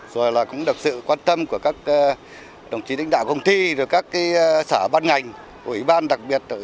rồi cũng được sự quan tâm của các đồng chí lãnh đạo công ty các xã ban ngành ủy ban đặc biệt ủy ban công ty